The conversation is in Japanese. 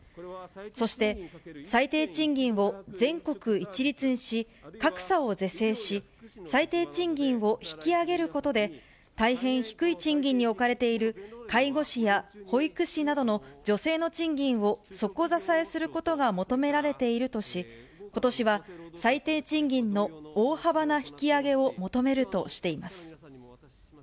そして、最低賃金を全国一律にし、格差を是正し、最低賃金を引き上げることで、大変低い賃金に置かれている介護士や保育士などの女性の賃金を底支えすることが求められているとし、ことしは最低賃金の大幅な引き上げを求めるとしています。